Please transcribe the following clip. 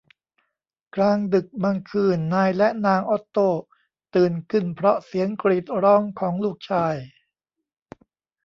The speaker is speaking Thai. กลางดึกบางคืนนายและนางออตโตตื่นขึ้นเพราะเสียงกรีดร้องของลูกชาย